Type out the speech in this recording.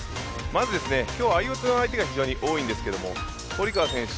まず、今日は相四つの相手が非常に多いんですが堀川選手